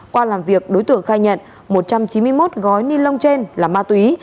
qua làm việc đối tượng khai nhận một trăm chín mươi một gói ni lông trên là ma túy